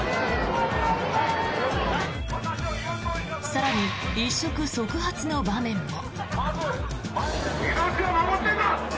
更に一触即発の場面も。